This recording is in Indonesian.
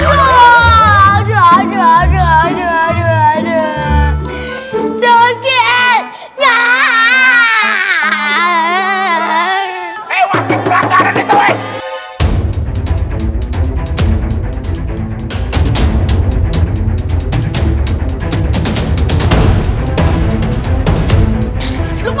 hei waksin pelakaran itu